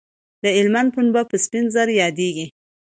د هلمند پنبه په سپین زر یادیږي